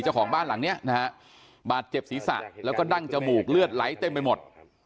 เจ้าของบ้านหลังเนี้ยนะฮะบาดเจ็บศีรษะแล้วก็ดั้งจมูกเลือดไหลเต็มไปหมด